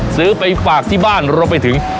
ซื้อไปฝากที่บ้านรวมไปถึง